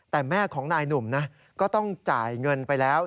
แต่แม่ของนายหนุ่มนะก็ต้องจ่ายเงินไปแล้ว